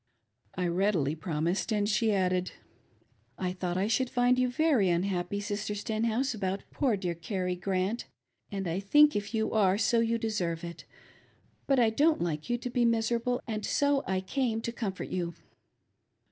I readily promised, and she added :" I thought I should find you very unhappy, Sister Stenhouse, about poor, dear Carrie Grant, and I think if you are so you deserve it, but I don't like you to be miserable, and so I came to comfort yoii."